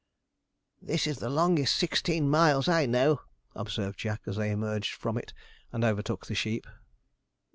'This is the longest sixteen miles I know,' observed Jack, as they emerged from it, and overtook the sheep.